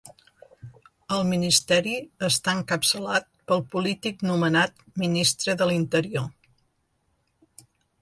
El ministeri està encapçalat pel polític nomenat Ministre de l'Interior.